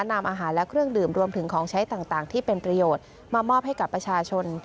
นำอาหารและเครื่องดื่มรวมถึงของใช้ต่างที่เป็นประโยชน์มามอบให้กับประชาชน